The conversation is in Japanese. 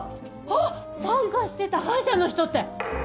あっ参加してた反社の人って。